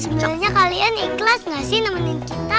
sebenarnya kalian ikhlas nggak sih nemenin kita